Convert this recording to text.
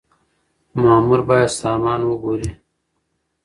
مامور بايد سامان وګوري.